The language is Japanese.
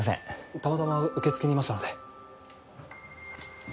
たまたま受付にいましたので。